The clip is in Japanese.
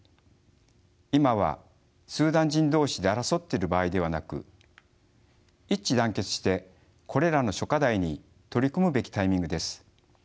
今はスーダン人同士で争っている場合ではなく一致団結してこれらの諸課題に取り組むべきタイミングです。